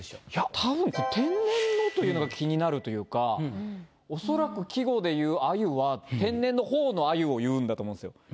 たぶん「天然の」というのがおそらく季語でいう「鮎」は天然の方の鮎を言うんだと思うんですよ。